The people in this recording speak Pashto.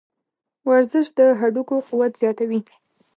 ورزش د هډوکو قوت زیاتوي.